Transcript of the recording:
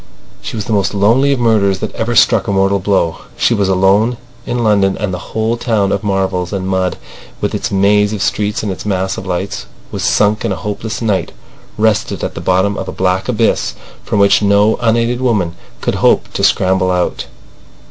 She was the most lonely of murderers that ever struck a mortal blow. She was alone in London: and the whole town of marvels and mud, with its maze of streets and its mass of lights, was sunk in a hopeless night, rested at the bottom of a black abyss from which no unaided woman could hope to scramble out.